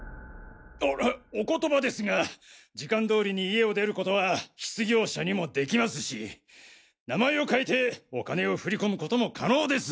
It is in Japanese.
おお言葉ですが時間通りに家を出ることは失業者にもできますし名前を変えてお金を振り込むことも可能です。